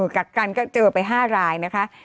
กักกันก็เจอไป๕รายนะคะ